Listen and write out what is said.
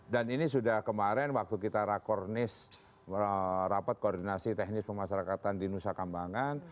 dan ini sudah kemarin waktu kita rakornis rapat koordinasi teknis pemasarakatan di nusa kambangan